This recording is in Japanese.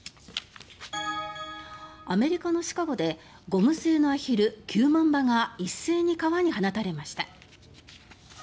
アメリカのシカゴでゴム製のアヒル９万羽が一斉に川に放たれました。